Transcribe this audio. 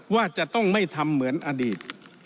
ว่าจะต้องไม่ทำเหมือนอดีต